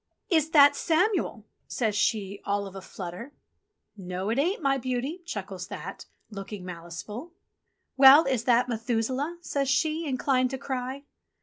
"Is That Samuel ?'* says she all of a flutter. "No, it ain't, my beauty," chuckles That, looking malice ful. "Well — is That Methusaleh ?" says she, inclined to cry.